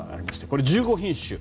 これ１５品種。